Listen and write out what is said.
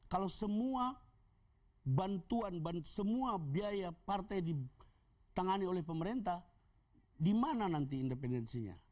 kalau semua bantuan semua biaya partai ditangani oleh pemerintah dimana nanti independensinya